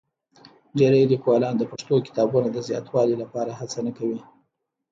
ډېری لیکوالان د پښتو کتابونو د زیاتوالي لپاره هڅه نه کوي.